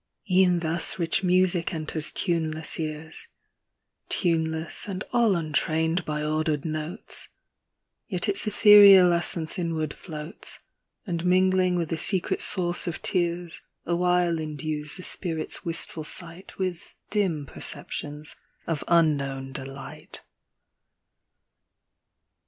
E'en thus rich music enters tuneless ears, Tuneless, and all untrained by ordered notes ; Yet its ethereal essence inward floats, And mingling with the secret source of tears. Awhile endues the spirit's wistful sight With dim perceptions of unknown delight.